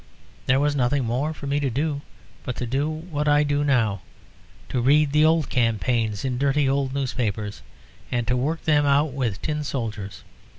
There was nothing more for me to do but to do what I do now to read the old campaigns in dirty old newspapers, and to work them out with tin soldiers.